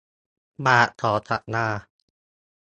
บาทต่อสัปดาห์